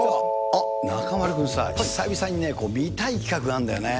あっ、中丸君さ、久々にね、見たい企画があるんだよね。